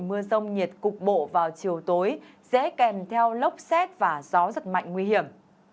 mưa rông nhiệt cục bộ vào chiều tối dễ kèm theo lốc xét và gió giật mạnh nguy hiểm